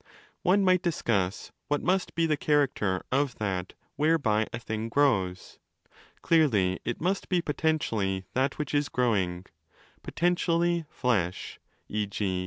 One might discuss what must be the character of that 'whereby' a thing grows. Clearly it must be potentially 5 that which is growing—potentially flesh, e.g.